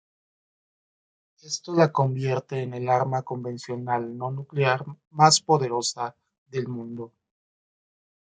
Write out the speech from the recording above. Esto la convierte en el arma convencional no nuclear más poderosa del mundo.